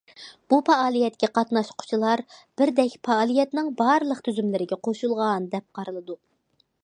بۇ پائالىيەتكە قاتناشقۇچىلار بىردەك پائالىيەتنىڭ بارلىق تۈزۈملىرىگە قوشۇلغان دەپ قارىلىدۇ.